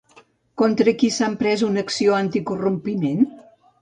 Contra qui s'ha emprès una acció anti-corrompiment?